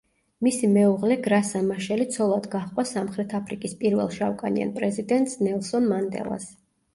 მისი მეუღლე გრასა მაშელი ცოლად გაჰყვა სამხრეთ აფრიკის პირველ შავკანიან პრეზიდენტს ნელსონ მანდელას.